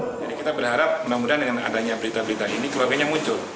jadi kita berharap mudah mudahan dengan adanya berita berita ini keluarganya muncul